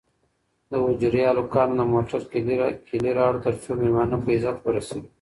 د حجرې هلکانو د موټر کیلي راوړه ترڅو مېلمانه په عزت ورسوي.